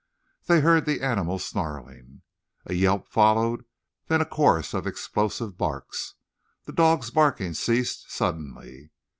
They heard the animal snarling. A yelp followed, then a chorus of explosive barks. The dog's barking ceased suddenly.